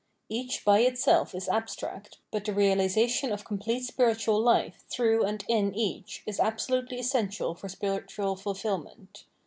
Each by itself is abstract, but the realisa tion of complete spiritual life through and in each is absolutely essential for spiritual fulfilment.